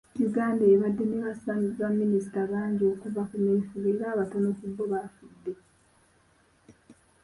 Uganda ebadde ne bassaabaminisita bangi okuva ku meefuga era abatono ku bo bafudde.